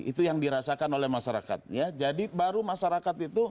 itu yang dirasakan oleh masyarakat ya jadi baru masyarakat itu